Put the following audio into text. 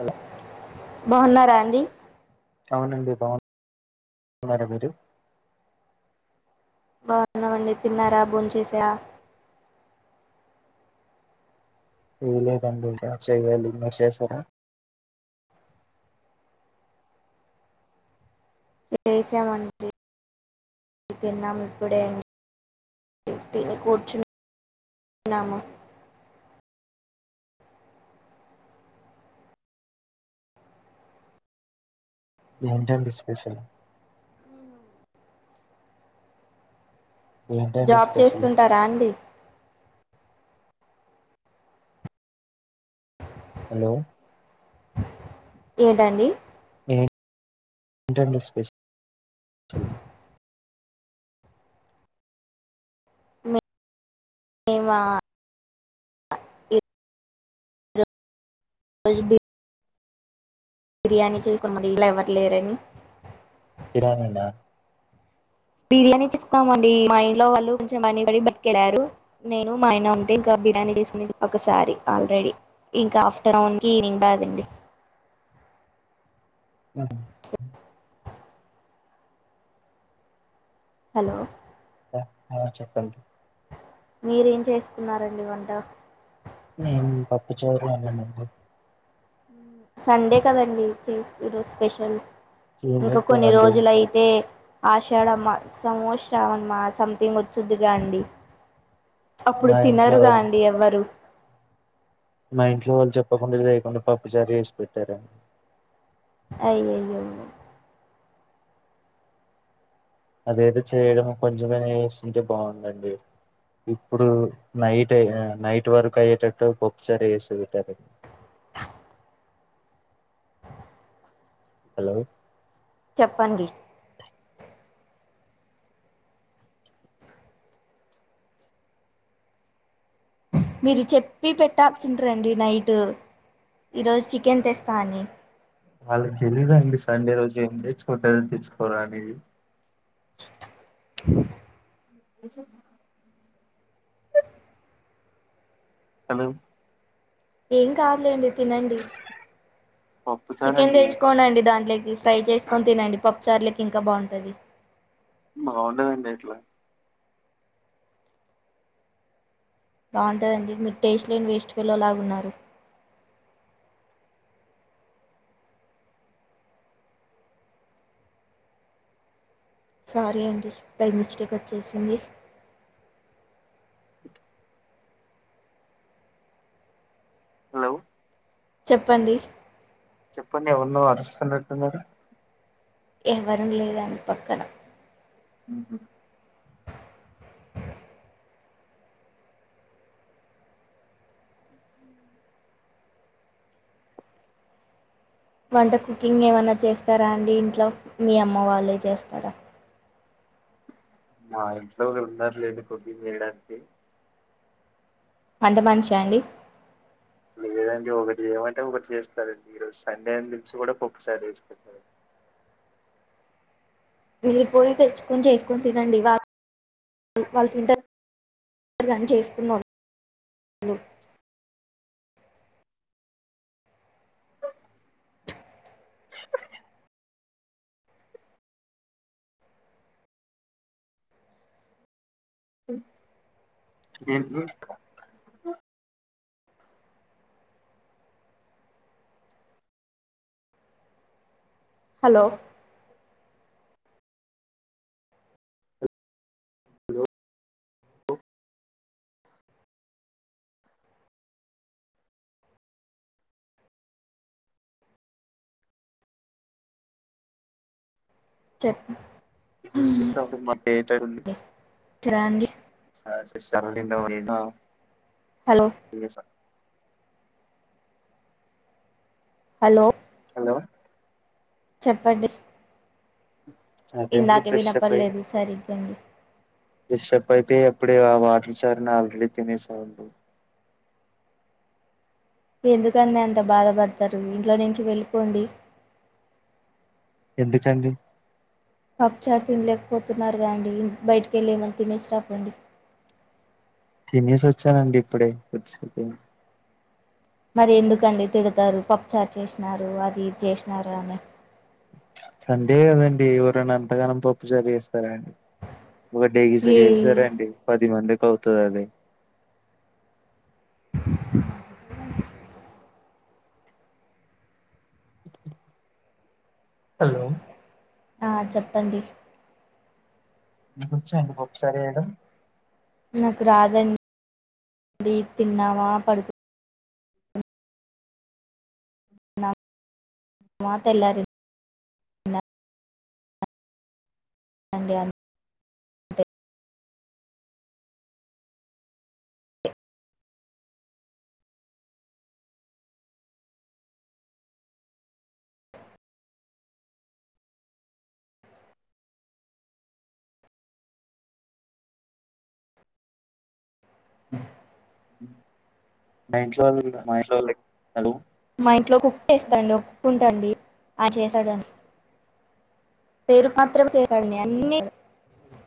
hello బౌన్నారా అండి అవునండి బౌన్ గున్నరా మీరు బాగున్నామండి తిన్నారా భోం చేసా చేయలేదండి ఇక చెయ్యాలి మిర్ చేసారా చేసామండి తిన్నాం ఇప్పుడే తిని కూర్చున్నాము ఏంటండీ స్పెషల్ ఏంటండి జాబ్ స్పెషల్ చేస్తుంటారా అండి హలో ఏటండి ఏంటండీ స్పెషల్ మేమా ఇ రోజ్ బి బిర్యానీ చేసుకొనండి ట్లే ఎవర్ లేరని కిరానుండ బిర్యానీ చేసుకున్నామండి మా ఇంట్లో వాళ్ళు కొంచం పన్నీ పడి బైట్కెల్లారు నేను మా ఆయన ఉంటే ఇంకా బిర్యానీ చేస్కునేది ఒకసారి ఆల్రెడీ ఇంకా ఆఫ్టర్నూన్కి ఈవినింగ్ కాదండి అ హలో అ ఆ చెప్పండి మీరేం చేసుకున్నారండి వంటా మేము పప్పు చారు అండి సండే కదండి చేసి ఈరోజు స్పెషల్ ఏం ఇంకా కొన్ని చేస్తామండి రోజులయితే ఆషాడమ్మా సమోష రావమా సథింగ్ వచ్చుద్దిగా అండి అప్పుడు మా ఇంట్లో తినరుగా వాళ్ళు అండి ఎవ్వరు మా ఇంట్లో వాళ్ళు చెప్పకుండ చేయకుండా పప్పు చారు చేసి పెట్టారు అయాయో అదేదొ చేయడం కొంచెం ఆయినా చేస్తుంటే బాగుందండి ఇప్పుడు నైట్ నైట్ వర్క్ అయ్యేటట్టు పప్పు చారు చేసిపెట్టిరండి హలో చెప్పండి మీరు చెప్పి పెట్టాల్సిఉండే దండి నైట్ ఈరోజు చికెన్ తెస్తా అని వాళ్ళకి తెలియదా ఆండీ సండే రోజు ఏమి తెచుకుంటరని అనేది నిజం హలో ఏం కాదులేండి తినండి పప్పుచారు చికెన్ అండి తెచ్చుకోని అండి దాంట్లోకి ఫ్రై చేసుకొని తినండి పప్పు చారు ఇంకా బాగుంటుంది బాగుంటదిండిట్లా బాగుంటుందండి మీరు టేస్ట్ లేని వేస్ట్ ఫెలో లాగ ఉన్నరు సారీ అండి బై మిస్టేక్ వచ్చేసింది హలో చెప్పండి చెప్పండి ఎవరిన అరుస్తున్నట్టున్నరు ఎవరూ లేదని పక్కన ఉహు వంట కుకింగ్ ఏమైనా చేస్తారా అండి ఇంట్లో మీ అమ్మ వాళ్ళే చేస్తరా మా ఇంట్లో ఒకరు వున్నరు లేండి కుక్కింగ్ చేయడానికి వంట మనిషా అండి లేదండి ఒకటి చేయమంటే ఒకటి చేస్తరండి ఈ రోజు సండే నిలిచి కూడా పప్పు చారు చేసిపెట్టిరండి వెళ్ళిపోయి తెచ్చుకొని చేసుకొని తినండి వాళ్ళ వాళ్ళు తింటరు గని చేస్తున్నాంను ఉ ఏంటి హలో లో చెప్ మాకేటండి అండి ఆ స్పెషల్ తిన్నాం హలో ఇగ హలో హలో చెప్పండి అదే అండి ఇందాకే ఫ్రెష్ వినపల్లెదు సరిగ్గా అండి డిస్టర్బ్ అయిపోయి ఎప్పుడే ఆ వాటర్ చార్ని ఆల్రెడీ తినేసా ఉండి ఎందుకండి అంత బాధపడతరు ఇంట్లో నుంచి వెళ్ళిపోండి ఎందుకండి పప్పు చార్ తినలేకపోతున్నారుగాండి బయటకి వెళ్లి ఏమన్న తినేసిరాపోండి తినేసి వచ్చానండి ఇప్పుడే కొద్దిసేపు అయిన్ మరి ఎందుకండి తిడతారు పప్పుచార్ చేసినారు అది చేసినారు అని సండే కదండి ఎవరన్న అంతగానం పప్పు చారు చేేస్తారా అండీ ఒక డే గీసకి ఏ చేస్తారండ పది మందికి అవుతది అది హలో ఆ చెప్పండి మీకు వచ్చా అండి పప్పు చారు చెయడం నాకు రాదండి తిన్నావా పడు నా నా తెల్లరిం అండీ అం మా ఇంట్లో వాళ్ళ కూడ మా ఇంట్లో హలో మా ఇంట్లో కుక్ చేస్తాండి ఒక కుక్ ఉంటాండి ఆయన చేసాడం పేరు మాత్రం చేసాడు అన్ని